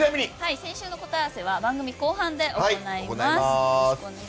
先週の答え合わせは番組後半で行います。